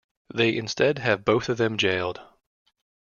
They instead have both of them jailed.